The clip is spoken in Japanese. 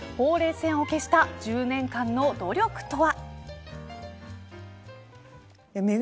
線を消した１０年間の努力とは。